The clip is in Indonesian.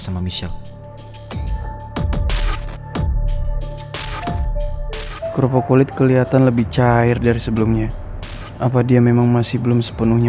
sama michelle kerupuk kulit kelihatan lebih cair dari sebelumnya apa dia memang masih belum sepenuhnya